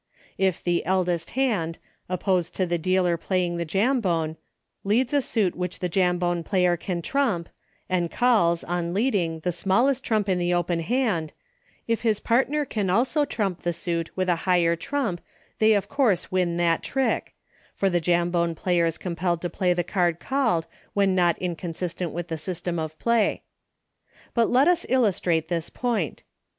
If the eldest hand, opposed to the dealer playing the Jambone, leads a suit which the Jambone player can trump, and calls, on leading, the smallest trump in the open hand, if his partner can also trump the suit with a higher trump they of course win that trick, for the Jambone player is compelled to play the card called, when not inconsistent with the system of play. But let us illustrate this point.